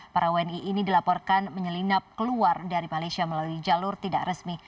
para wni ini dilaporkan menyelinap keluar dari malaysia melalui jalur tidak resmi